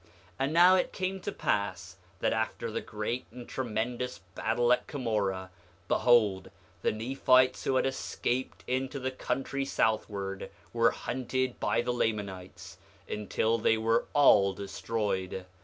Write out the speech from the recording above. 8:2 And now it came to pass that after the great and tremendous battle at Cumorah, behold, the Nephites who had escaped into the country southward were hunted by the Lamanites, until they were all destroyed.